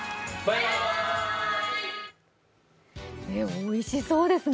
おいしそうですね。